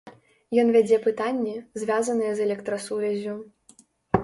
Ён вядзе пытанні, звязаныя з электрасувяззю.